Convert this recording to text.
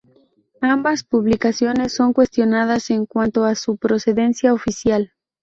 Ambas publicaciones son cuestionadas en cuanto a su procedencia oficial.